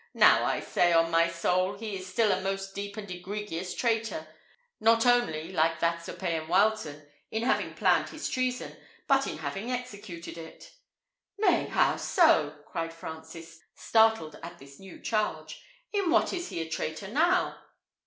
Now, I say, on my soul, he is still a most deep and egregious traitor; not only, like that Sir Payan Wileton, in having planned his treason, but in having executed it." "Nay, how so?" cried Francis, startled at this new charge. "In what is he a traitor now?"